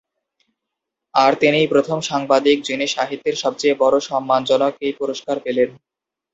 আর তিনিই প্রথম সাংবাদিক, যিনি সাহিত্যের সবচেয়ে সম্মানজনক এই পুরস্কার পেলেন।